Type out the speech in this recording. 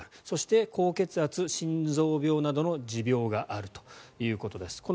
そして高血圧、心臓病などの持病があるということです。